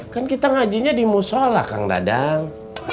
kan kita ngajinya di musola kang dadang